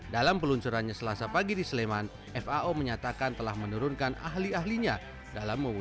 dalam peluncurannya selasa pagi di sleman fao menyatakan telah menurunkan ahli ahli petani yang telah menerima pemberian